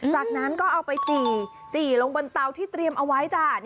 จากนั้นก็เอาไปจี่ลงบนเตาที่เตรียมเอาไว้จ้ะ